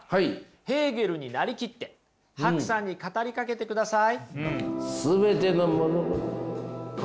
ヘーゲルになりきってＨＡＫＵさんに語りかけてください。